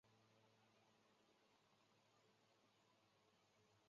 参见台北市电车敷设计画。